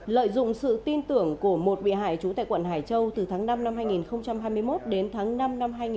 lợi dụng sự tin tưởng của một bị hại trú tại quận hải châu từ tháng năm năm hai nghìn hai mươi một đến tháng năm năm hai nghìn hai mươi ba